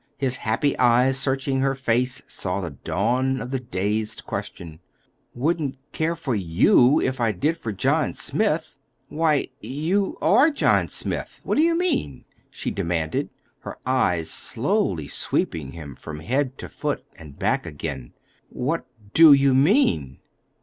His happy eyes searching her face saw the dawn of the dazed, question. "Wouldn't care for you if I did for John Smith! Why, you are John Smith. What do you mean?" she demanded, her eyes slowly sweeping him from head to foot and back again. "What do you mean?"